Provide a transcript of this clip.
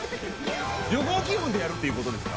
旅行気分でやるってことですか。